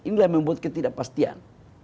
inilah yang membuat ketidakpastian